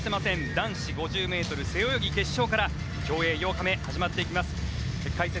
男子５０ｍ背泳ぎ決勝から競泳８日目始まっていきます。